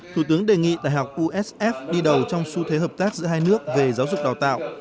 thủ tướng đề nghị đại học ussf đi đầu trong xu thế hợp tác giữa hai nước về giáo dục đào tạo